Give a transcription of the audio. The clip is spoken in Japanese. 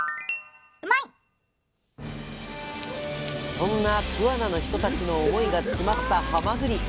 そんな桑名の人たちの思いが詰まったはまぐり。